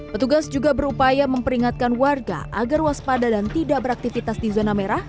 petugas juga berupaya memperingatkan warga agar waspada dan tidak beraktivitas di zona merah